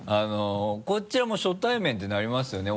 こっちはもう初対面ってなりますよね